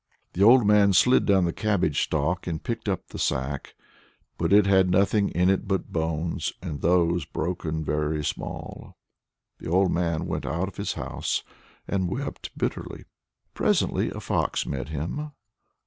The old man slid down the cabbage stalk and picked up the sack. But it had nothing in it but bones, and those broken very small. The old man went out of his house and wept bitterly. Presently a fox met him.